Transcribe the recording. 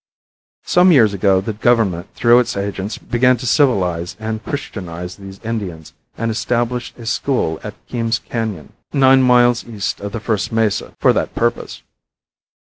Some years ago the government, through its agents, began to civilize and Christianize these Indians and established a school at Keam's Canon, nine miles east of the first mesa, for that purpose.